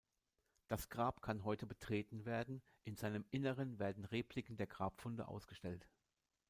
Das Grab kann heute betreten werden, in seinem Inneren werden Repliken der Grabfunde ausgestellt.